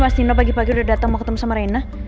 mas dino pagi pagi udah datang mau ketemu sama reina